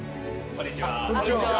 こんにちは。